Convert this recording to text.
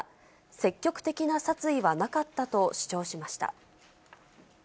積極的な殺意はなかったと主張しました。